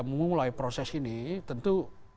mulai proses ini tentu